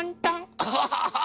アハハハ！